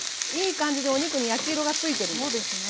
いい感じでお肉に焼き色がついてるんです。